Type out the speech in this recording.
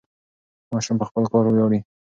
ماشوم په خپل کار ویاړي.